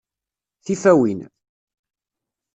Tifawin!